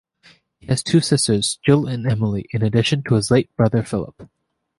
He has two sisters, Jill and Emily, in addition to his late brother Philip.